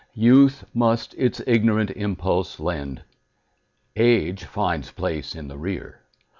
Youth must its ignorant impulse lend— Age finds place in the rear.